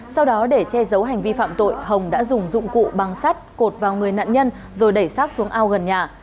sau đó để che giấu hành vi phạm tội hồng đã dùng dụng cụ băng sắt cột vào người nạn nhân rồi đẩy sát xuống ao gần nhà